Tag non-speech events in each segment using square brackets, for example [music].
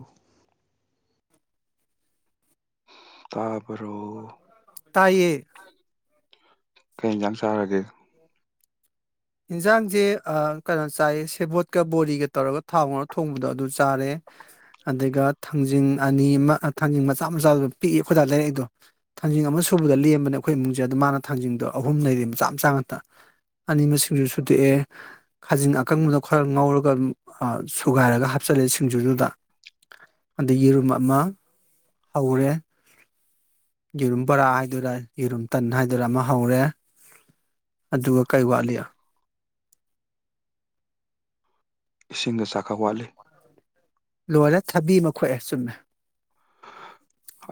ꯑ [unintelligible] ꯑ ꯔ꯭ꯔꯣ ꯇꯥꯏꯌꯦ ꯀꯩ ꯌꯦꯟꯁꯥꯡ ꯆꯥꯔꯒꯦ ꯏꯟꯖꯥꯡꯁꯦ ꯀꯩꯅꯣ ꯆꯥꯏ ꯁꯦꯕꯣꯠꯀ ꯕꯣꯔꯤꯒ ꯇꯧꯔꯒ ꯊꯥꯎ ꯉꯔ ꯊꯣꯡꯕꯗꯣ ꯑꯗꯨ ꯆꯥꯔꯦ ꯑꯗꯨꯒ ꯊꯥꯡꯖꯤꯡ ꯑꯅꯤ ꯑꯃ ꯊꯥꯡꯖꯤꯡ ꯃꯆꯥ ꯃꯆꯥꯗꯨ ꯄꯤꯛꯏ ꯑꯩꯈꯣꯏꯗꯥ ꯂꯩꯥꯏꯔꯛꯗꯣ ꯊꯥꯡꯖꯤꯡ ꯑꯃ ꯁꯨꯕꯗ ꯂꯦꯝꯕꯅꯦ ꯑꯩꯈꯣꯏ ꯏꯃꯨꯡꯁꯦ ꯑꯗꯣ ꯃꯥꯅ ꯊꯥꯡꯖꯤꯡꯗꯣ ꯑꯍꯨꯝ ꯂꯩꯔꯤ ꯃꯆꯥ ꯃꯆꯥ ꯉꯥꯛꯇ ꯑꯅꯤ ꯁꯤꯡꯖꯨ ꯁꯨꯇꯦꯛꯑꯦ ꯈꯥꯖꯤꯡ ꯑꯀꯪꯕꯗ ꯈꯔ ꯉꯧꯔꯒ ꯁꯨꯒꯥꯏꯔꯒ ꯍꯥꯞꯆꯤꯜꯂꯦ ꯁꯤꯡꯖꯨꯗꯨꯗ ꯑꯗꯩ ꯌꯦꯔꯨꯝ ꯑꯃ ꯍꯧꯔꯦ ꯌꯦꯔꯨꯝ ꯕꯔꯥ ꯍꯥꯏꯗꯨꯔ ꯌꯦꯔꯨꯝ ꯇꯟ ꯍꯥꯏꯗꯨꯔꯥ ꯑꯃ ꯍꯧꯔꯦ ꯑꯗꯨꯒ ꯀꯩ ꯋꯥꯠꯂꯤ ꯏꯁꯤꯡꯒ ꯆꯥꯛꯈꯛ ꯋꯥꯠꯂꯤ ꯂꯣꯏꯔꯦ ꯊꯕꯤ ꯑꯃ ꯈꯣꯠꯑꯦ ꯆꯨꯝꯃꯦ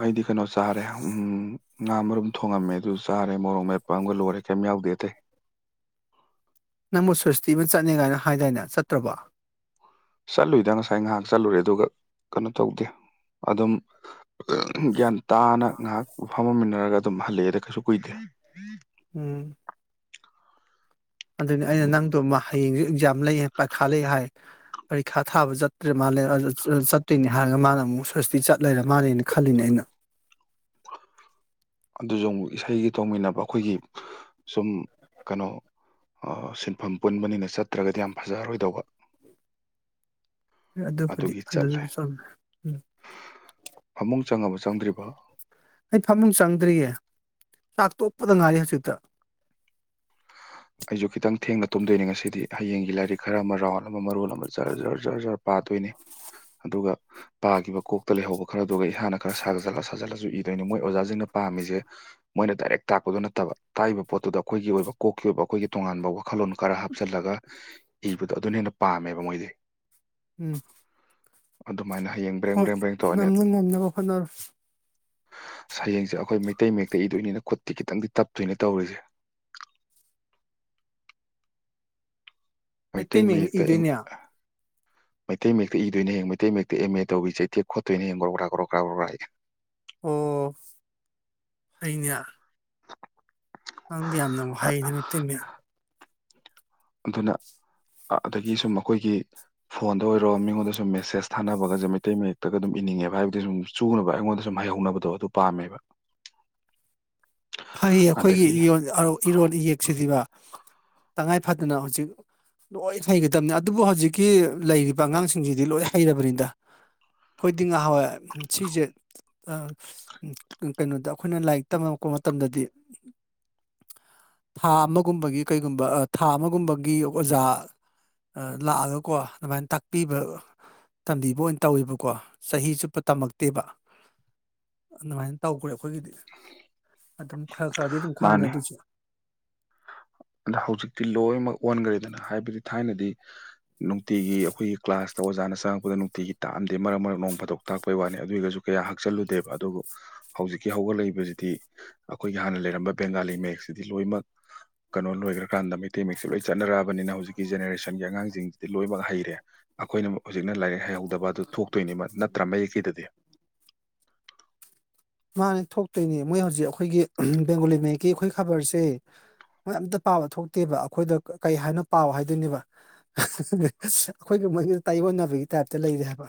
ꯑꯩꯗꯤ ꯀꯩꯅꯣ ꯆꯥꯔꯦ ꯎ ꯉꯥ ꯃꯔꯨꯝ ꯊꯣꯡꯉꯝꯃꯦ ꯑꯗꯨ ꯆꯥꯔꯦ ꯃꯣꯔꯣꯛ ꯃꯦꯠꯄ ꯑꯃꯒ ꯂꯣꯏꯔꯦ ꯀꯔꯤꯝ ꯌꯥꯎꯗꯦ ꯑꯇꯩ ꯅꯪꯕꯨ ꯁ꯭ꯋꯁꯇꯤ ꯑꯃ ꯆꯠꯅꯤ ꯀꯥꯏꯅ ꯍꯥꯏꯗꯥꯏꯅ ꯆꯠꯇ꯭ꯔꯕ ꯆꯠꯂꯨꯏꯗ ꯉꯁꯥꯏ ꯉꯥꯏꯍꯥꯛ ꯆꯠꯂꯨꯔꯦ ꯑꯗꯨꯒ ꯀꯩꯅꯣ ꯇꯧꯗꯦ ꯑꯗꯨꯝ ꯒ꯭ꯌꯥꯟ ꯇꯥꯅ ꯉꯥꯏꯍꯥꯛ ꯐꯝꯃꯝꯃꯤꯟꯅꯔꯒ ꯑꯗꯨꯝ ꯍꯜꯂꯛꯑꯦꯗ ꯀꯩꯁꯨ ꯀꯨꯏꯗꯦ ꯎꯝ ꯑꯗꯨꯅꯤ ꯑꯩꯅ ꯅꯪꯗꯣꯃ ꯍꯌꯦꯡꯁꯨ ꯑꯦꯛꯖꯥꯝ ꯂꯩ ꯍꯥꯏ ꯄꯔꯤꯈꯥ ꯂꯩ ꯍꯥꯏ ꯄꯔꯤꯈꯥ ꯊꯥꯕ ꯆꯠꯇ꯭ꯔꯦ ꯃꯥꯜꯂꯦ ꯆꯠꯇꯣꯏꯅꯦ ꯍꯥꯏꯔꯒ ꯃꯥꯅ ꯑꯃꯨꯛ ꯁꯁꯇꯤ ꯆꯠꯂꯔ ꯃꯥꯜꯂꯦꯅ ꯈꯜꯂꯤꯅꯦ ꯑꯩꯅ ꯑꯗꯨꯁꯨ ꯑꯃꯨꯛ ꯏꯁꯩꯒꯤ ꯇꯧꯃꯤꯟꯅꯕ ꯑꯩꯈꯣꯏꯒꯤ ꯁꯨꯝ ꯀꯩꯅꯣ ꯁꯤꯟꯐꯝ ꯄꯨꯟꯕꯅꯤꯅ ꯆꯠꯇ꯭ꯔꯒꯗꯤ ꯌꯥꯝ ꯐꯖꯔꯔꯣꯏꯗꯧꯕ ꯑꯗꯨꯕꯨꯗꯤ ꯑꯗꯨꯁꯨ ꯆꯃꯦ ꯎꯝ ꯆꯪꯉ ꯑꯃ ꯆꯪꯗ꯭ꯔꯤꯕꯣ ꯑꯩ ꯐꯃꯨꯡ ꯆꯪꯗ꯭ꯔꯤꯌꯦ ꯆꯥꯛ ꯇꯣꯛꯄꯗ ꯉꯥꯏꯔꯤ ꯍꯧꯖꯤꯛꯇ ꯑꯩꯁꯨ ꯈꯤꯇꯪ ꯊꯦꯡꯅ ꯇꯨꯝꯗꯣꯏꯅꯤ ꯉꯁꯤꯗꯤ ꯍꯌꯦꯡꯒꯤ ꯂꯥꯏꯔꯤꯛ ꯈꯔ ꯑꯃ ꯔꯥꯎꯟ ꯑꯃ ꯃꯔꯣꯜ ꯑꯃ ꯖꯔ ꯖꯔ ꯖ ꯖꯔ ꯄꯥꯗꯣꯏꯅꯤ ꯑꯗꯨꯒ ꯄꯥꯈꯤꯕ ꯀꯣꯛꯇ ꯂꯩꯍꯧꯕ ꯈꯔ ꯑꯗꯨꯒꯒ ꯏꯁꯥꯅ ꯈꯔ ꯁꯥꯜꯂ ꯁꯥꯖꯤꯜꯂꯁꯨ ꯏꯗꯣꯏꯅꯤ ꯃꯣꯏ ꯑꯣꯖꯥꯁꯤꯡꯅ ꯄꯥꯝꯃꯤꯁꯦ ꯃꯣꯏꯅ ꯗꯥꯏꯔꯦꯛ ꯇꯥꯛꯄꯗꯨꯣ ꯅꯠꯇꯕ ꯇꯥꯛꯏꯕ ꯄꯣꯠꯇꯨꯗ ꯑꯩꯈꯣꯏꯒꯤ ꯑꯣꯏꯕ ꯀꯣꯛ ꯑꯣꯏꯕ ꯑꯩꯈꯣꯏꯒꯤ ꯇꯣꯉꯥꯟꯕ ꯋꯥꯈꯜꯂꯣꯟ ꯈꯔ ꯍꯥꯞꯆꯜꯂꯒ ꯏꯕꯗꯣ ꯑꯗꯨꯅ ꯍꯦꯟꯅ ꯄꯥꯝꯃꯦꯕ ꯃꯣꯏꯗꯤ ꯎꯝ ꯑꯗꯨ ꯍꯣꯏ ꯉꯝꯅ ꯉꯝꯅꯕ ꯍꯣꯠꯅꯔꯣ ꯑꯁ ꯍꯌꯦꯡꯁꯦ ꯑꯩꯈꯣꯏ ꯃꯩꯇꯩ ꯃꯌꯦꯛꯇ ꯏꯗꯣꯏꯅꯤꯅ ꯈꯨꯠꯇꯤ ꯈꯤꯇꯪꯗꯤ ꯇꯞꯇꯣꯏꯅꯤ ꯇꯧꯔꯤꯁꯦ ꯃꯩꯇꯩ ꯃꯌꯦꯛꯅ ꯃꯌꯦꯛꯇ ꯑꯦꯝ- ꯏꯗꯣꯏꯅꯦ ꯃꯩꯇꯩ ꯃꯌꯦꯛꯇ ꯏꯗꯣꯏꯅꯦ ꯍꯌꯦꯡ ꯃꯩꯇꯩ ꯃꯌꯦꯛꯇ ꯑꯦꯝ ꯑꯦ ꯇꯧꯕꯤ ꯆꯩꯊꯦꯛ ꯈꯣꯠꯇꯣꯏꯅꯦ ꯍꯌꯦꯡ ꯒꯣꯔꯣ ꯒꯥꯔꯥ ꯒꯣꯔꯣ ꯒꯥꯔꯥ ꯒꯣꯔꯣ ꯒꯥꯔꯥ ꯑꯩ ꯑꯣ ꯍꯩꯅ꯭ꯌꯥ ꯅꯪꯗꯤ ꯌꯥꯝꯅꯕꯨ ꯍꯩꯅꯦ ꯃꯩꯇꯩ ꯃꯌꯦꯛ ꯑꯗꯨꯅ ꯑ ꯑꯗꯒꯤ ꯁꯨꯝ ꯑꯈꯣꯏꯒꯤ ꯐꯣꯟꯗ ꯑꯣꯏꯔꯣ ꯃꯤꯉꯣꯟꯗ ꯁꯨꯝ ꯃꯦꯁꯦꯁ ꯊꯥꯅꯕꯒꯥꯖꯦ ꯃꯩꯇꯩ ꯃꯌꯦꯛꯇꯒ ꯑꯗꯨꯝ ꯏꯅꯤꯡꯉꯦꯕ ꯍꯥꯏꯕꯗꯤ ꯁꯨꯝ ꯆꯨꯅꯕ ꯑꯩꯉꯣꯟꯗ ꯁꯨꯝ ꯍꯩꯍꯧꯅꯕꯗꯣ ꯑꯗꯨ ꯄꯥꯝꯃꯦꯕ ꯐꯩꯌꯦ ꯑꯈꯣꯏꯒꯤ ꯑꯗꯒꯤ ꯏꯔꯣꯟ ꯑꯔꯧ ꯏꯔꯣꯜ ꯏꯌꯦꯛꯁꯤꯗꯤꯕ ꯇꯉꯥꯏ ꯐꯗꯅ ꯍꯧꯖꯤꯛ ꯂꯣꯏ ꯍꯩꯒꯗꯕꯅꯤ ꯑꯗꯨꯕꯨ ꯍꯧꯖꯤꯛꯀꯤ ꯂꯩꯔꯤꯕ ꯑꯉꯥꯡꯁꯤꯡꯁꯤꯗꯤ ꯂꯣꯏ ꯍꯩꯔꯕꯅꯤꯗ ꯑꯩꯈꯣꯏꯗꯤ ꯉꯥꯍꯥꯋꯥꯏ ꯎꯝ ꯁꯤꯖꯦ ꯑ ꯎꯝ ꯀꯩꯅꯣꯗ ꯑꯩꯈꯣꯏꯅ ꯂꯥꯏꯔꯤꯛ ꯇꯝꯃꯛꯄ ꯃꯇꯝꯗꯗꯤ ꯊꯥ ꯑꯃꯒꯨꯝꯕꯒꯤ ꯀꯩꯒꯨꯝꯕ ꯑ ꯊꯥ ꯑꯃꯒꯨꯝꯕꯒꯤ ꯑꯣꯖꯥ ꯑ ꯂꯥꯛꯑꯒꯀꯣ ꯑꯗꯨꯃꯥꯏꯅ ꯇꯥꯛꯄꯤꯕ ꯇꯝꯕꯤꯕ ꯑꯣꯏꯅ ꯇꯧꯋꯦꯕꯀꯣ ꯆꯍꯤ ꯆꯨꯞꯄ ꯇꯝꯃꯛꯇꯦꯕ ꯑꯗꯨꯃꯥꯏꯅ ꯇꯧꯒ꯭ꯔꯦ ꯑ ꯈꯣꯏꯒꯤꯗꯤ ꯑꯗꯨꯝ ꯈꯔ ꯈꯔꯗꯤ ꯑꯗꯨꯝ ꯈꯪꯉꯦ ꯃꯥꯅꯦ ꯑꯗꯨꯁꯨ ꯑꯗ ꯍꯧꯖꯤꯛꯇꯤ ꯂꯣꯏꯃꯛ ꯑꯣꯟꯒ꯭ꯔꯦꯗꯅ ꯍꯥꯏꯕꯗꯤ ꯊꯥꯏꯅꯗꯤ ꯅꯨꯡꯇꯤꯒꯤ ꯑꯈꯣꯏꯒꯤ ꯀ꯭ꯂꯥꯁꯇ ꯑꯣꯖꯥꯅ ꯆꯪꯉꯛꯄꯗ ꯅꯨꯡꯇꯤꯒꯤ ꯇꯥꯛꯑꯝꯗꯦ ꯃꯔꯛ ꯃꯔꯛ ꯅꯣꯡ ꯐꯥꯗꯣꯛ ꯇꯥꯛꯄꯩ ꯋꯥꯅꯤ ꯑꯗꯨ ꯑꯣꯏꯒꯖꯨ ꯀꯌꯥ ꯍꯥꯛꯆꯜꯂꯨꯗꯦꯕ ꯑꯗꯨꯕꯨ ꯍꯧꯖꯤꯛꯀꯤ ꯍꯧꯒꯠꯂꯛꯏꯕꯖꯤꯗꯤ ꯑꯈꯣꯏꯒꯤ ꯍꯥꯟꯅ ꯂꯩꯔꯝꯕ ꯕꯦꯡꯒꯥꯂꯤ ꯃꯌꯦꯛꯁꯤꯗꯤ ꯂꯣꯏꯃꯛ ꯀꯩꯅꯣ ꯂꯣꯏꯒ꯭ꯔꯀꯥꯟꯗ ꯃꯩꯇꯩ ꯃꯌꯦꯛꯁꯦ ꯂꯣꯏ ꯆꯠꯅꯔꯛꯑꯕꯅꯤꯅ ꯍꯧꯖꯤꯛꯀꯤ ꯖꯦꯅꯔꯦꯁꯟꯒꯤ ꯑꯉꯥꯡꯖꯤꯡ ꯂꯣꯏꯃꯛ ꯍꯩꯔꯦ ꯑꯈꯣꯏꯅꯃꯨꯛ ꯍꯨꯖꯤꯛꯅ ꯂꯥꯏꯔꯤꯛ ꯍꯩꯍꯧꯗꯕ ꯑꯗꯨ ꯊꯣꯛꯇꯣꯏꯅꯤ ꯃꯠ ꯅꯠꯇ꯭ꯔꯥ ꯃꯌꯦꯛꯀꯤꯗꯗꯤ ꯃꯥꯅꯦ ꯊꯣꯛꯇꯣꯏꯅꯦ ꯃꯣꯏ ꯍꯧꯖꯤꯛ ꯑꯈꯣꯏꯒꯤ ꯕꯦꯡꯒꯣꯂꯤ ꯃꯌꯦꯛꯀꯤ ꯑꯩꯈꯣꯏ ꯈꯕꯔꯁꯦ ꯃꯣꯏ ꯑꯝꯇ ꯄꯥꯕ ꯊꯣꯛꯇꯦꯕ ꯑꯩꯈꯣꯏꯗ ꯀꯩ ꯍꯥꯏꯅꯣ ꯄꯥꯎ ꯍꯥꯏꯗꯣꯏꯅꯦꯕ ꯑꯍꯥ ꯍꯥ ꯍꯥ ꯑꯩꯈꯣꯏꯒ ꯃꯣꯏꯒꯖꯦ ꯇꯥꯏꯌꯣꯟꯅꯕꯒꯤ ꯇꯥꯏꯞꯇ ꯂꯩꯔꯦ ꯍꯥꯏꯕ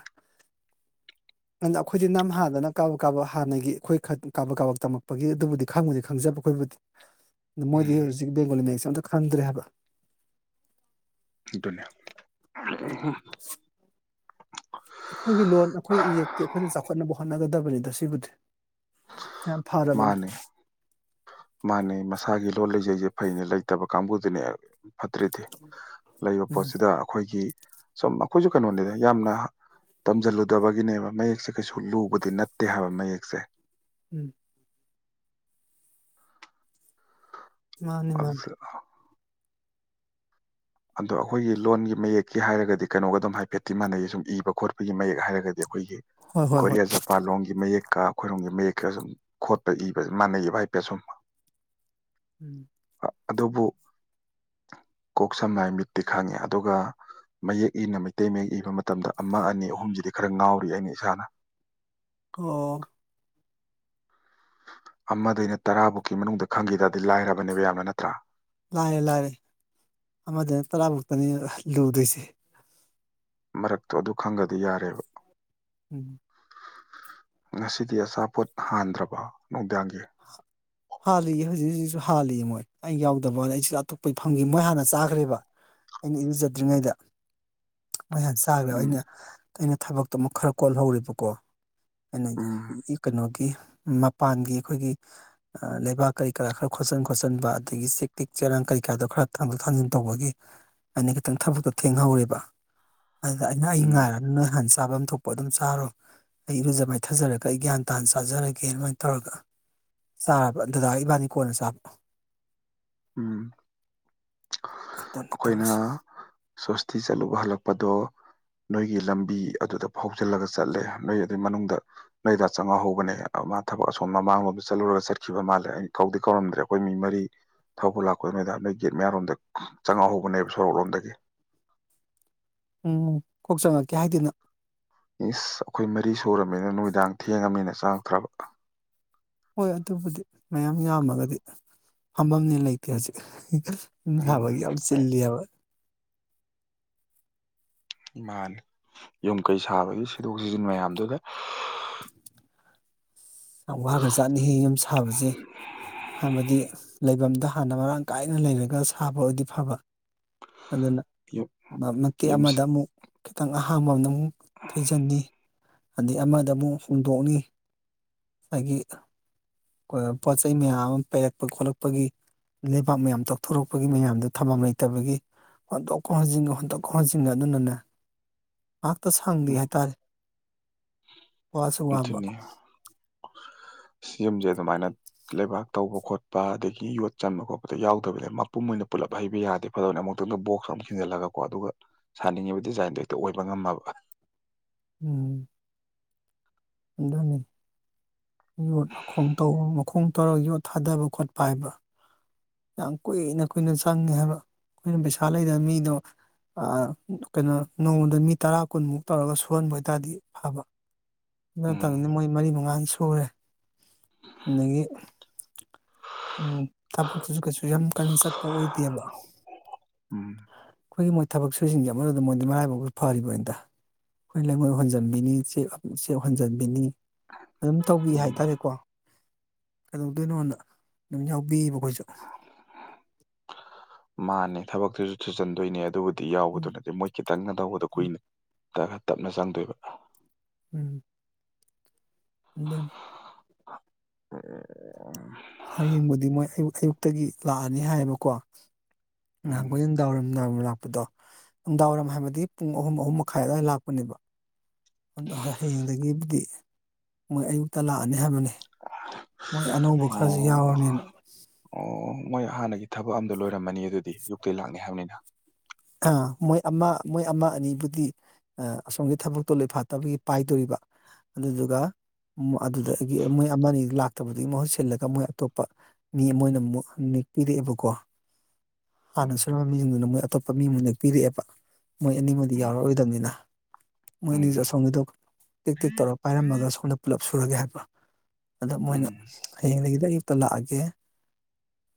ꯑꯈꯣꯏꯗꯤ ꯅꯝ ꯍꯥꯥꯟꯗꯅ ꯀꯥꯕꯛ ꯀꯥꯕꯛ ꯍꯥꯟꯅꯒꯤ ꯑꯩꯈꯣꯏ ꯈꯠ ꯀꯥꯕꯛ ꯀꯥꯕꯛ ꯇꯝꯃꯛꯄꯒꯤ ꯑꯗꯨꯕꯨꯗꯤ ꯈꯪꯕꯨꯗꯤ ꯈꯪꯖꯕ ꯑꯩꯈꯣꯏꯕꯨꯗꯤ ꯃꯣꯏꯗꯤ ꯎꯝ ꯍꯧꯖꯤꯛ ꯕꯦꯡꯒꯣꯂꯤ ꯃꯌꯦꯛꯁꯦ ꯑꯝꯇ ꯈꯪꯗ꯭ꯔꯦ ꯍꯥꯏꯕ ꯑꯗꯨꯅꯦ [inaudible] ꯑꯈꯣꯏꯒꯤ ꯂꯣꯟ ꯑꯈꯣꯏ ꯏꯌꯦꯛꯇꯤ ꯑꯩꯈꯣꯏꯅ ꯆꯥꯎꯈꯠꯅꯕ ꯍꯣꯠꯅꯒꯗꯕꯅꯤꯗ ꯁꯤꯕꯨꯗꯤ ꯌꯥꯝ ꯐꯔꯕꯅꯤ ꯃꯥꯅꯦ ꯃꯥꯅꯦ ꯃꯁꯥꯒꯤ ꯂꯣꯟ ꯂꯩꯖꯩꯖꯦ ꯐꯩꯅꯦ ꯂꯩꯇꯕ ꯀꯥꯡꯕꯨꯗꯨꯅꯦ ꯐꯠꯇ꯭ꯔꯤꯗꯤ ꯂꯩꯕ ꯎꯝ ꯄꯣꯠꯁꯤꯗ ꯑꯈꯣꯏꯒꯤ ꯁꯨꯝ ꯑꯈꯣꯏꯁꯨ ꯀꯩꯅꯣꯅꯤꯗ ꯌꯥꯝꯅ ꯇꯝꯖꯜꯂꯨꯗꯕꯒꯤꯅꯦꯕ ꯃꯌꯦꯛꯁꯦ ꯀꯩꯁꯨ ꯂꯨꯕꯗꯤ ꯅꯠꯇꯦ ꯍꯥꯏꯕ ꯃꯌꯦꯛꯁꯦ ꯎꯝ ꯃꯥꯅꯤ ꯃꯥꯅꯦ ꯑꯗꯣ ꯑꯈꯣꯏꯒꯤ ꯂꯣꯟꯒꯤ ꯃꯌꯦꯛꯀꯤ ꯍꯥꯏꯔꯒꯗꯤ ꯀꯩꯅꯣꯒ ꯑꯗꯨꯝ ꯍꯥꯏꯐꯦꯠꯇꯤ ꯃꯥꯟꯅꯩꯌꯦ ꯁꯨꯝ ꯏꯕ ꯈꯣꯠꯄꯒꯤ ꯃꯌꯦꯛ ꯍꯥꯏꯔꯒꯗꯤ ꯑꯈꯣꯏꯒꯤ ꯍꯣꯏ ꯍꯣꯏ ꯍꯣꯏ ꯀꯣꯔꯤꯌꯥ ꯖꯄꯥꯟ ꯂꯣꯝꯒꯤ ꯃꯌꯦꯛ ꯀꯥ ꯑꯈꯣꯏꯔꯣꯝꯒꯤ ꯃꯌꯦꯛꯀ ꯁꯨꯝ ꯈꯣꯠꯄ ꯏꯕꯖꯦ ꯃꯥꯟꯅꯩꯌꯦꯕ ꯍꯥꯏꯐꯦꯠ ꯁꯨꯝ ꯎꯝ ꯑꯗꯨꯕꯨ ꯀꯣꯛ ꯁꯝꯅ ꯂꯥꯏ ꯃꯤꯠꯇꯤ ꯈꯪꯉꯦ ꯑꯗꯨꯒ ꯃꯌꯦꯛ ꯏꯅ ꯃꯩꯇꯩ ꯃꯌꯦꯛ ꯏꯕ ꯃꯇꯝꯗ ꯑꯃ ꯑꯅꯤ ꯑꯍꯨꯝꯁꯤꯗꯤ ꯈꯔ ꯉꯥꯎꯔꯤ ꯑꯩꯅ ꯏꯁꯥꯅ ꯑꯣ ꯑꯃꯗꯩꯅ ꯇꯔꯥꯕꯨꯛꯀꯤ ꯃꯅꯨꯡꯗ ꯈꯪꯈꯤ ꯇꯗꯤ ꯂꯥꯏꯔꯕꯅꯦꯕ ꯌꯥꯝꯅ ꯅꯠꯇ꯭ꯔꯥ ꯂꯥꯏꯔꯦ ꯂꯥꯏꯔꯦ ꯑꯃꯗꯩꯅ ꯇꯔꯥꯕꯨꯛꯇꯅꯤ ꯂꯨꯗꯣꯏꯁꯦ ꯃꯔꯛꯇꯣ ꯑꯗꯨ ꯈꯪꯒꯗꯤ ꯌꯥꯔꯦꯕ ꯎꯝ ꯉꯁꯤꯗꯤ ꯑꯆꯥꯄꯣꯠ ꯍꯥꯟꯗ꯭ꯔꯕ ꯅꯨꯡꯗꯥꯡ ꯍꯥꯜꯂꯤꯌꯦ ꯍꯧꯖꯤꯛ ꯍꯧꯖꯤꯛꯁꯨ ꯁꯨ ꯍꯥꯜꯂꯤ ꯃꯣꯏ ꯑꯩ ꯌꯥꯎꯗꯕꯋꯥꯅꯤ ꯑꯩꯁꯨ ꯑꯇꯣꯞꯄꯩ ꯐꯪꯈꯤ ꯃꯣꯏ ꯍꯥꯟꯅ ꯆꯥꯈ꯭ꯔꯦꯕ ꯑꯩꯅ ꯏꯔꯨꯖꯗ꯭ꯔꯤꯉꯩꯗ ꯃꯣꯏ ꯍꯥꯟꯅ ꯆꯥꯈ꯭ꯔꯦ ꯎꯝ ꯑꯩꯅ ꯑꯩꯅ ꯊꯕꯛꯇꯣ ꯑꯃꯨꯛ ꯈꯔ ꯀꯣꯜꯍꯧꯔꯦꯕꯀꯣ ꯑꯩꯅ ꯎꯝ ꯀꯩꯅꯣꯒꯤ ꯃꯄꯥꯟꯒꯤ ꯑꯩꯈꯣꯏꯒꯤ ꯂꯩꯕꯥꯛ ꯀꯔꯤ ꯀꯔꯥ ꯈꯔ ꯈꯣꯠꯆꯤꯟ ꯈꯣꯠꯆꯤꯟꯕ ꯑꯗꯒꯤ ꯆꯦꯛ ꯇꯤꯛ ꯆꯦꯔꯥꯡ ꯀꯔꯤ ꯀꯥꯗꯣ ꯈꯔ ꯊꯥꯡꯗꯣꯛ ꯊꯥꯡꯖꯤꯟ ꯇꯧꯕꯒꯤ ꯑꯩꯅ ꯈꯤꯇꯪ ꯊꯕꯛꯇ ꯊꯦꯡꯍꯧꯔꯦꯕ ꯑꯗꯨꯗ ꯑꯩꯅ ꯑꯩ ꯎꯝ ꯉꯥꯏꯔꯅꯨ ꯅꯣꯏ ꯍꯥꯟꯅ ꯆꯥꯐꯝ ꯊꯣꯛꯄ ꯑꯗꯨꯝ ꯆꯥꯔꯣ ꯑꯩ ꯏꯔꯨꯖ ꯃꯥꯏꯊꯖꯔꯒ ꯑꯩ ꯒ꯭ꯌꯥꯟ ꯇꯥꯥꯅ ꯆꯥꯖꯔꯒꯦ ꯑꯗꯨꯃꯥꯏꯅ ꯇꯧꯔꯒ ꯆꯥꯔꯕ ꯗꯥꯗꯥ ꯏꯕꯥꯅꯤ ꯀꯣꯟꯅ ꯆꯥꯕ ꯎꯝ ꯑꯗꯨꯅꯤ ꯇꯧꯔꯤꯁꯦ ꯑꯩꯈꯣꯏꯅ ꯁ꯭ꯣꯁꯇꯤ ꯆꯠꯂꯨꯕ ꯍꯜꯂꯛꯄꯗꯣ ꯅꯣꯏꯒꯤ ꯂꯝꯕꯤ ꯑꯗꯨꯗ ꯐꯥꯎꯖꯤꯜꯂꯒ ꯆꯠꯂꯦ ꯅꯣꯏ ꯑꯗꯨꯏ ꯃꯅꯨꯡꯗ ꯅꯣꯏ ꯗꯥ ꯆꯪꯉꯍꯧꯕꯅꯦ ꯃꯥ ꯊꯕꯛ ꯑꯁꯣꯝ ꯃꯃꯥꯡꯂꯣꯝꯗ ꯆꯠꯂꯨꯔꯒ ꯆꯠꯈꯤꯕ ꯃꯥꯜꯂꯦ ꯑꯩ ꯀꯧꯗꯤ ꯀꯧꯔꯝꯗ꯭ꯔꯦ ꯑꯩꯈꯣꯏ ꯃꯤ ꯃꯔꯤ ꯊꯧꯕ ꯂꯥꯛꯄꯗ ꯅꯣꯏꯗ ꯅꯣꯏ ꯒꯦꯠ ꯃꯌꯥꯔꯣꯝꯗ ꯆꯪꯉꯛꯍꯧꯕꯅꯦꯕ ꯁꯣꯔꯣꯛ ꯂꯣꯝꯗꯒꯤ ꯎꯝ ꯀꯣꯛ ꯆꯪꯉꯛꯀꯦ ꯍꯥꯏꯗꯅ ꯏꯁ ꯑꯩꯈꯣꯏ ꯃꯔꯤ ꯁꯨꯔꯕꯃꯤꯅ ꯅꯨꯃꯤꯗꯥꯡ ꯊꯦꯡꯉꯃꯤꯅ ꯆꯪꯉꯛꯇꯔꯕ ꯍꯣꯏ ꯑꯗꯨꯕꯨꯗꯤ ꯃꯌꯥꯝ ꯌꯥꯝꯃꯒꯗꯤ ꯐꯝꯐꯝꯅ ꯂꯩꯇꯦ ꯍꯧꯖꯤꯛ ꯌꯨꯝ ꯁꯥꯕꯒꯤ ꯎꯝ ꯌꯥꯝ ꯆꯤꯜꯂꯤ ꯍꯥꯏꯕ ꯃꯥꯅꯤ ꯌꯨꯝ ꯀꯩ ꯁꯥꯕꯒꯤ ꯁꯤꯗꯣꯛ ꯁꯤꯖꯤꯟ ꯃꯌꯥꯝꯗꯨꯗ ꯌꯥꯝ ꯋꯥ ꯈꯔꯖꯥꯅꯤꯍꯦ ꯌꯨꯝ ꯁꯥꯕꯁꯦ ꯍꯥꯏꯕꯗꯤ ꯂꯩꯐꯝꯗ ꯍꯥꯟꯅ ꯃꯔꯥꯡ ꯀꯥꯏꯅ ꯂꯩꯔꯒ ꯁꯥꯕ ꯑꯣꯏꯗꯤ ꯐꯕ ꯑꯗꯨꯅ ꯌꯨꯝ ꯃꯇꯦꯛ ꯌꯨꯝ ꯑꯃꯗ ꯑꯃꯨꯛ ꯈꯤꯇꯪ ꯑꯍꯥꯡ ꯑꯍꯥꯡꯕ ꯑꯃꯗ ꯑꯃꯨꯛ ꯊꯩꯖꯤꯟꯅꯤ ꯑꯗꯩ ꯑꯃꯗ ꯑꯃꯨꯛ ꯍꯣꯡꯗꯣꯛꯅꯤ ꯑꯗꯒꯤ ꯄꯣꯠ ꯆꯩ ꯃꯌꯥꯝ ꯑꯃ ꯄꯩꯔꯛꯄ ꯈꯣꯠꯂꯛꯄꯒꯤ ꯂꯩꯕꯥꯛ ꯃꯌꯥꯝ ꯇꯧꯊꯣꯔꯛꯄꯒꯤ ꯃꯌꯥꯝꯗꯨ ꯊꯝꯐꯝ ꯂꯩꯇꯕꯒꯤ ꯍꯣꯟꯇꯣꯛꯀ ꯍꯣꯟꯖꯤꯟꯒ ꯍꯣꯟꯇꯣꯛꯀ ꯈꯣꯟ ꯍꯣꯟꯖꯤꯟꯒ ꯑꯗꯨꯅꯅꯦ ꯉꯥꯏꯍꯥꯛꯇ ꯁꯪꯗꯦ ꯎꯝ ꯍꯥꯏꯇꯥꯔꯦ ꯋꯥꯁꯨ ꯋꯥꯕ ꯑꯗꯨꯅꯤ ꯌꯨꯝꯁꯦ ꯑꯗꯨꯃꯥꯏꯅ ꯂꯩꯕꯥꯛ ꯇꯧꯕ ꯈꯣꯠꯄ ꯑꯗꯒꯤ ꯌꯣꯠ ꯆꯟꯕ ꯈꯣꯠꯄꯗ ꯌꯥꯎꯗꯕꯅꯦ ꯃꯄꯨꯝ ꯑꯣꯏꯅ ꯄꯨꯜꯂꯞ ꯍꯩꯕ ꯌꯥꯗꯦ ꯐꯗꯕꯅꯤ ꯑꯃꯨꯛꯇꯪꯗ ꯕꯣꯛꯁ ꯑꯃꯨꯛ ꯊꯤꯟꯖꯤꯜꯂꯒꯀꯣ ꯑꯗꯨꯒ ꯁꯥꯅꯤꯡꯉꯤꯕ ꯗꯤꯖꯥꯏꯟꯗꯣ ꯍꯦꯛꯇ ꯑꯣꯏꯕ ꯉꯝꯃꯕ ꯎꯝ ꯑꯗꯨꯅꯤ ꯌꯣꯠ ꯃꯈꯣꯡ ꯇꯧꯕ ꯃꯈꯣꯡ ꯇꯧꯔꯒ ꯌꯣꯠ ꯊꯥꯗꯕ ꯈꯣꯠꯄ ꯍꯥꯏꯕ ꯌꯥꯝ ꯀꯨꯏꯅ ꯀꯨꯏꯅ ꯆꯪꯉꯦ ꯍꯥꯏꯕ ꯑꯩꯈꯣꯏꯅ ꯄꯩꯁꯥ ꯂꯩꯗꯅ ꯃꯤꯗꯣ ꯀꯩꯅꯣ ꯅꯣꯡꯃꯗ ꯃꯤ ꯇꯔꯥ ꯀꯨꯟꯃꯨꯛ ꯇꯧꯔꯒ ꯁꯨꯍꯟꯕ ꯑꯣꯏ ꯇꯥꯔꯗꯤ ꯐꯕ ꯑꯗꯨ ꯅꯠꯇꯕꯅꯤꯅ ꯎꯝ ꯃꯣꯏ ꯃꯔꯤ ꯃꯉꯥꯥꯅ ꯁꯨꯔꯦ ꯑꯗꯒꯤ ꯊꯕꯛꯇꯨꯁꯨ ꯀꯩꯁꯨ ꯌꯥꯝ ꯀꯟꯅ ꯆꯠꯄ ꯑꯣꯏꯗꯦꯕ ꯎꯝ ꯑꯩꯈꯣꯏꯒꯤ ꯃꯣꯏ ꯊꯕꯛ ꯁꯨꯔꯤꯁꯤꯡꯁꯦ ꯑꯃꯔꯣꯝꯗ ꯃꯣꯏꯗꯤ ꯃꯔꯥꯏꯕꯛꯁꯨ ꯐꯔꯤꯕꯅꯤꯗ ꯑꯩꯈꯣꯏ ꯂꯩꯉꯣꯏ ꯍꯣꯟꯖꯟꯕꯤꯅꯤ ꯆꯦꯛ ꯍꯣꯟꯖꯟꯕꯤꯅꯤ ꯑꯗꯨꯝ ꯇꯧꯕꯤ ꯎꯝ ꯍꯥꯏꯇꯥꯔꯦꯀꯣ ꯀꯩꯗꯧꯗꯣꯏꯅꯣꯅ ꯑꯗꯨꯝ ꯌꯥꯎꯕꯤꯌꯦꯕ ꯑꯩꯈꯣꯏꯁꯨ ꯃꯥꯅꯦ ꯊꯕꯛꯇꯨꯁꯨ ꯊꯨꯖꯟꯗꯣꯏꯅꯦ ꯑꯗꯨꯕꯨꯗꯤ ꯗꯤ ꯎꯝ ꯌꯥꯎꯕꯗꯨꯅꯗꯤ ꯃꯣꯏ ꯈꯤꯇꯪꯅ ꯇꯧꯕꯗꯣ ꯎꯝ ꯀꯨꯏꯅ ꯇꯞꯅ ꯇꯞꯅ ꯆꯪꯗꯣꯏꯕ ꯎꯝ ꯑꯗꯨꯅꯤ ꯍ ꯍꯌꯦꯡꯕꯨꯗꯤ ꯃꯣꯏ ꯑꯌꯨꯛ ꯑꯌꯨꯛꯇꯒꯤ ꯂꯥꯛꯑꯅꯤ ꯍꯥꯏꯌꯦꯕꯀꯣ ꯎꯝ ꯅꯥꯍꯟꯈꯣꯏ ꯅꯨꯃꯤꯗꯥꯡ ꯋꯥꯏꯔꯝ ꯅꯨꯃꯤꯗꯥꯡ ꯋꯥꯏꯔꯝ ꯗꯣ ꯅꯨꯡꯗꯥꯡ ꯋꯥꯏꯔꯝ ꯍꯥꯏꯕꯗꯤ ꯄꯨꯡ ꯑꯍꯨꯝ ꯑꯍꯨꯝ ꯃꯈꯥꯏ ꯑꯗꯨꯋꯥꯏꯗ ꯂꯥꯛꯄꯅꯦꯕ ꯑ ꯍꯌꯦꯡꯗꯒꯤꯕꯨꯗꯤ ꯃꯣꯏ ꯑꯌꯨꯛꯇ ꯂꯥꯛꯑꯅꯤ ꯍꯥꯏꯕꯅꯤ ꯃꯣꯏ ꯑꯅꯧꯕ ꯈꯔꯁꯨ ꯑꯣ ꯌꯥꯎꯔꯅꯤꯅ ꯑꯣ ꯃꯣꯏ ꯍꯥꯟꯅꯒꯤ ꯊꯕꯛ ꯑꯝꯗ ꯂꯣꯏꯔꯝꯃꯅꯤ ꯑꯗꯨꯗꯤ ꯌꯨꯛꯇ ꯂꯥꯛꯅꯤ ꯍꯥꯏꯕꯅꯤꯅ ꯑ ꯃꯣꯏ ꯑꯃ ꯃꯣꯏ ꯑꯃ ꯑꯅꯤꯕꯨꯗꯤ ꯑꯁꯣꯝꯒꯤ ꯊꯕꯛꯇꯣꯂꯐꯥꯠꯇꯕꯒꯤ ꯄꯥꯏꯗꯣꯔꯤꯕ ꯑꯗꯨꯗꯨꯒ ꯑꯗꯨꯗꯒꯤ ꯃꯣꯏ ꯑꯃ ꯑꯅꯤꯗꯨ ꯂꯥꯛꯇꯕꯗꯨꯒꯤ ꯃꯍꯨꯠ ꯁꯤꯜꯂꯒ ꯃꯣꯏ ꯑꯇꯣꯞꯄ ꯃꯤ ꯑꯃ ꯑꯣꯏꯅ ꯑꯃꯨꯛ ꯅꯦꯛꯄꯤꯔꯛꯑꯦꯕꯀꯣ ꯍꯥꯟꯅ ꯎꯝ ꯁꯨꯔꯝ ꯃꯤꯁꯤꯡꯗꯨꯅ ꯃꯣꯏ ꯑꯇꯣꯞꯄ ꯃꯤ ꯑꯃꯨꯗ ꯄꯤꯔꯛꯑꯦꯕ ꯃꯣꯏ ꯑꯅꯤꯃꯗꯤ ꯎꯝ ꯌꯥꯎꯔꯛꯔꯣꯏꯗꯕꯅꯤꯅ ꯃꯣꯏꯅꯤ ꯎꯝ ꯑꯁꯣꯝꯒꯤꯗꯣ ꯇꯤꯛ ꯇꯤꯛ ꯇꯧꯔꯒ ꯄꯥꯏꯔꯝꯃꯒ ꯑꯁꯣꯝꯗ ꯄꯨꯂꯞ ꯁꯨꯔꯒꯦ ꯍꯥꯏꯕ ꯑꯗꯣ ꯃꯣꯏꯅ ꯎꯝ ꯍꯌꯦꯡꯗꯒꯤ ꯑꯌꯨꯛꯇ ꯂꯥꯛꯑꯒꯦ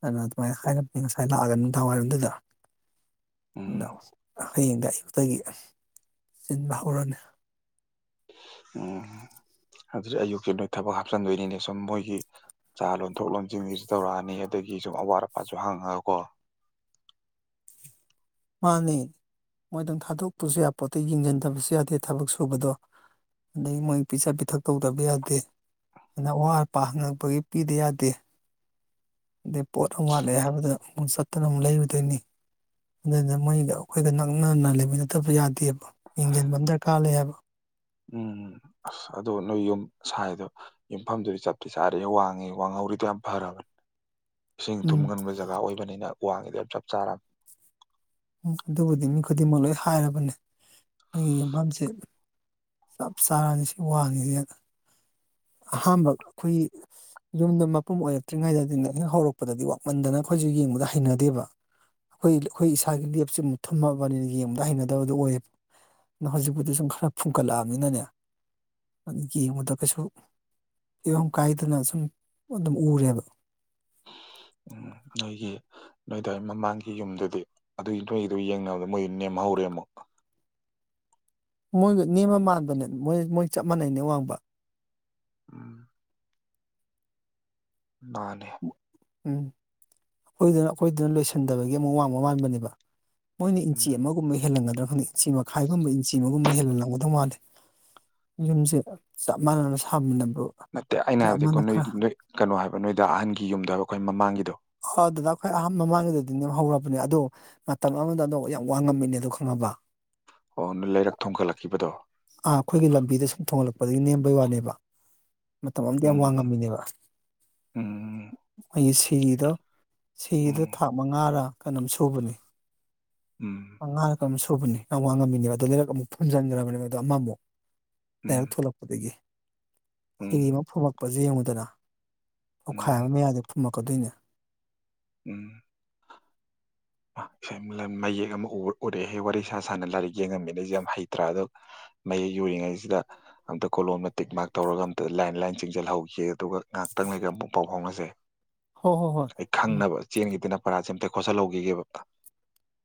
ꯑꯗꯨꯅ ꯑꯗꯨꯃꯥꯏꯅ ꯍꯥꯏꯝꯅꯤ ꯉꯁꯥꯏ ꯂꯥꯛꯑꯒ ꯅꯨꯡꯗꯥꯡꯋꯥꯏꯔꯝꯗꯨꯗ ꯎꯝ [unintelligible] ꯍꯌꯦꯡꯗ ꯑꯌꯨꯛꯇꯒꯤ ꯆꯤꯟꯕ ꯍꯧꯔꯅꯤ ꯎꯝ ꯑꯗꯨꯗꯤ ꯑꯌꯨꯛꯁ ꯅꯣꯏ ꯊꯕꯛ ꯍꯥꯞꯆꯤꯟꯗꯣꯏꯅꯤꯅꯦ ꯁꯨꯝ ꯃꯣꯏꯒꯤ ꯆꯥ ꯂꯣꯟꯊꯣꯛ ꯂꯣꯟꯁꯤꯡꯁꯨ ꯇꯧꯔꯛꯑꯅꯤ ꯑꯗꯒꯤ ꯁꯨꯝ ꯑꯋꯥꯠ ꯑꯄꯥꯁꯨ ꯍꯪꯉꯒꯀꯣ ꯃꯥꯅꯦ ꯃꯣꯏꯗꯪ ꯊꯥꯗꯣꯛꯄꯁꯨ ꯌꯥ ꯄꯣꯠꯇꯩ ꯌꯦꯡꯁꯤꯟꯗꯕꯁꯨ ꯌꯥꯗꯦ ꯊꯕꯛ ꯁꯨꯕꯗꯣ ꯑꯩ ꯃꯣꯏ ꯄꯤꯖ ꯄꯤꯊꯛ ꯇꯧꯗꯕ ꯌꯥꯗꯦ ꯑꯗꯨꯅ ꯑꯋꯥꯠ ꯑꯄꯥ ꯍꯪꯉꯛꯄꯒꯤ ꯄꯤꯗ ꯌꯥꯗꯦ ꯑꯗꯩ ꯄꯣꯠ ꯑꯃ ꯋꯥꯠꯂꯦ ꯍꯥꯏꯕꯗ ꯑꯃꯨꯛ ꯆꯠꯇꯅ ꯑꯃꯨꯛ ꯂꯩꯔꯨꯗꯣꯏꯅꯤ ꯑꯗꯨꯅ ꯃꯣꯏꯒ ꯑꯩꯈꯣꯏꯒ ꯅꯛꯅꯅ ꯂꯩꯃꯤꯟꯅꯗꯕ ꯌꯥꯗꯦꯕ ꯌꯦꯡꯁꯤꯟꯕ ꯑꯃ ꯗꯔꯀꯥꯔ ꯂꯩ ꯍꯥꯏꯕ ꯎꯝ ꯑꯁ ꯑꯗꯨꯗꯣ ꯅꯣꯏ ꯌꯨꯝ ꯁꯥꯏꯗꯣ ꯌꯨꯝꯐꯝꯗꯨꯗꯤ ꯆꯞꯇꯤ ꯆꯥꯔꯦ ꯋꯥꯡꯉꯦ ꯋꯥꯡꯍꯧꯔꯤꯗꯣ ꯌꯥꯝ ꯐꯔꯕꯅꯦ ꯏꯁꯤꯡ ꯎꯝ ꯊꯨꯝꯒꯟꯕ ꯖꯒꯥ ꯑꯣꯏꯕꯅꯤꯅ ꯋꯥ ꯋꯥꯉꯗꯔ ꯆꯞ ꯆꯔ ꯑꯗꯨꯕꯨꯗꯤ ꯃꯤ ꯈꯨꯗꯤꯡꯃꯛ ꯂꯣꯏ ꯍꯥꯏꯔꯕꯅꯦ ꯅꯣꯏꯒꯤ ꯌꯨꯝꯐꯝꯁꯦ ꯆꯞ ꯆꯥꯔꯅꯤ ꯁꯤ ꯋꯥꯉꯁꯤ ꯑꯍꯥꯟꯕ ꯑꯩꯈꯣꯏꯒꯤ ꯌꯨꯝꯗ ꯃꯄꯨꯝ ꯑꯣꯏꯔꯛꯇ꯭ꯔꯤꯉꯩꯗ ꯍꯦꯛ ꯍꯧꯔꯛꯄꯗꯗꯤ ꯋꯥꯋꯃꯟꯗꯅ ꯑꯩꯈꯣꯏꯁꯨ ꯌꯦꯡꯕꯗ ꯍꯩꯅꯗꯦꯕ ꯑꯩꯈꯣꯏ ꯑꯩꯈꯣꯏ ꯏꯁꯁꯥꯒꯤ ꯂꯦꯞꯁ ꯑꯃꯨꯛ ꯊꯨꯝꯃꯛꯑꯕꯅꯤꯅ ꯌꯦꯡꯕꯗ ꯍꯩꯅꯗꯕꯗꯨ ꯑꯣꯏꯌꯦꯕ ꯑꯗꯨ ꯍꯧꯖꯤꯛꯄꯨꯗꯤ ꯁꯨꯝ ꯈꯔ ꯐꯨꯝꯒꯠꯂꯛꯑꯕꯅꯤꯅꯅꯦ ꯌꯦꯡꯕꯗ ꯀꯩꯁꯨ ꯐꯤꯕꯝ ꯀꯥꯏꯗꯅ ꯁꯨꯝ ꯑꯗꯨꯝ ꯎꯔꯦꯕ ꯑꯩꯒꯤ ꯅꯣꯏꯗꯥꯏ ꯃꯃꯥꯡꯒꯤ ꯌꯨꯝꯗꯨꯗꯤ ꯑꯗꯨꯏ ꯅꯣꯏꯒꯤꯗꯨ ꯌꯦꯡꯅꯕꯗ ꯃꯣꯏꯗꯨ ꯅꯦꯝꯍꯧꯔꯦ ꯑꯃꯨꯛ ꯃꯣꯏꯒ ꯅꯦꯝꯃ ꯃꯥꯟꯕꯅꯦ ꯃꯣꯏ ꯃꯣꯏ ꯆꯞ ꯃꯥꯟꯅꯩꯅꯦ ꯋꯥꯡꯕ ꯎꯝ ꯃꯥꯅꯦ ꯎꯝ ꯑꯩꯈꯣꯏꯗꯨꯅ ꯑꯩꯈꯣꯏꯗꯨꯅ ꯂꯣꯏꯁꯤꯟꯗꯕꯒꯤ ꯑꯃꯨꯛ ꯋꯥꯡꯕ ꯃꯥꯟꯕꯅꯦꯕ ꯃꯣꯏꯅ ꯏꯟꯆꯤ ꯎꯝ ꯑꯃꯒꯨꯝꯕ ꯍꯦꯜꯂꯒꯗ ꯈꯪ ꯏꯟꯆꯤ ꯃꯈꯥꯏꯒꯨꯝꯕ ꯏꯟꯆꯤ ꯑꯃꯒꯨꯝꯕ ꯍꯦꯜꯟꯅ ꯂꯪꯒꯗꯧ ꯃꯥꯜꯂꯦ ꯌꯨꯝꯁꯦ ꯆꯞ ꯃꯥꯟꯅꯅ ꯁꯥꯕ ꯅꯠꯇꯦ ꯑꯩꯅ ꯍꯥꯏꯕꯗꯤ ꯑꯩꯣꯏ ꯅ ꯅ ꯀꯩꯅꯣ ꯍꯥꯏꯕ ꯅꯣꯏꯗ ꯑꯍꯟꯒꯤ ꯌꯨꯝꯗ ꯍꯥꯏꯕ ꯑꯩꯣꯏ ꯃꯃꯥꯡꯒꯤꯗꯣ ꯑ ꯑꯗꯨꯗ ꯑꯩꯈꯣꯏ ꯑꯍꯥꯟꯕ ꯃꯃꯥꯡꯒꯤꯗꯗꯤ ꯅ ꯍꯧꯔꯕꯅꯦ ꯑꯗꯣ ꯃꯇꯝ ꯑꯃꯗ ꯑꯗꯣ ꯌꯥꯝ ꯋꯥꯡꯉꯝꯃꯤꯅꯦ ꯑꯗꯣ ꯈꯪꯉꯕ ꯑꯣ ꯂꯩꯔꯛ ꯊꯣꯡꯒꯠꯂꯛꯈꯤꯕꯗꯣ ꯑ ꯑꯩꯈꯣꯏꯒꯤ ꯂꯝꯕꯤꯗ ꯁꯨꯝ ꯊꯣꯡꯍꯠꯂꯛꯄꯗꯒꯤ ꯅꯦꯝꯕꯩ ꯋꯥꯅꯦꯕ ꯃꯇꯝ ꯑꯗ ꯌꯥꯝ ꯎꯝ ꯋꯥꯡꯉꯝꯃꯤꯅꯦꯕ ꯎꯝ ꯑꯩ ꯁꯤꯗꯣ ꯁꯤꯗꯣ ꯎꯝ ꯊꯥꯛ ꯃꯉꯥꯔ ꯀꯩꯅꯣꯝ ꯁꯨꯕꯅꯤ ꯎꯝ ꯄꯉ ꯀꯃꯤꯁ ꯑꯨꯕꯅꯤ ꯌꯥꯝ ꯋꯥꯡꯉꯝꯃꯤꯅꯦꯕ ꯑꯗꯨ ꯂꯩꯔꯛ ꯑꯃꯨꯛ ꯐꯨꯟꯖꯤꯟꯈ꯭ꯔꯕꯅꯦ ꯑꯗ ꯑꯃꯃꯨꯛ [unintelligible] ꯎꯝ ꯊꯣꯂꯛꯄꯗꯗꯒꯤ ꯎꯝ ꯁꯤꯔꯤꯃ ꯐꯃ ꯄꯖ ꯌꯦꯡꯂꯡꯉꯨꯗꯅ ꯎꯝ ꯑꯣꯈꯥꯏꯕ ꯃꯌꯥꯏꯗ ꯐꯨꯝꯃꯛ ꯀꯗꯅ ꯎꯝ ꯃꯌꯦꯛ ꯑꯃ ꯎꯔꯦꯍꯦ ꯋꯥꯔꯤ ꯁꯥ ꯁꯅ ꯂꯥꯏꯔꯤꯛ ꯌꯦꯡꯉꯝꯃꯤꯅꯁꯦ ꯌꯥꯝ ꯍꯩꯇ꯭ꯔꯥ ꯑꯗꯣ ꯃꯌꯦꯛ ꯌꯧꯔꯤꯉꯩꯁꯤꯗ ꯑꯝꯇ ꯀꯣꯂꯣꯝꯅ ꯇꯤꯛ ꯃꯥꯔꯛ ꯇꯧꯔꯒ ꯑꯝꯇ ꯂꯥꯏꯟ ꯂꯥꯏꯟ ꯆꯤꯡꯁꯤꯜꯍꯧꯈꯤ ꯑꯗꯨꯒ ꯉꯥꯏꯍꯥꯛꯇꯪ ꯂꯩꯒ ꯑꯃꯨꯛ ꯄꯥꯎ ꯐꯥꯎꯅꯖꯩ ꯍꯣ ꯍꯣ ꯍꯣꯏ ꯑꯩ ꯎꯝ ꯈꯪꯅꯕ ꯆꯦꯟꯒꯤꯗꯅ ꯄꯔꯥꯁ ꯑꯇꯦꯛ ꯈꯠꯜꯍꯧꯈꯤꯈꯤꯕꯕ [inaudible]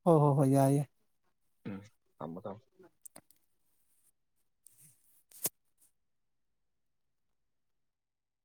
ꯍꯣꯏ ꯍꯣꯏ ꯍꯣꯏ ꯌꯥꯏꯑꯦ ꯎꯝ ꯊꯝꯃꯣ ꯊꯝ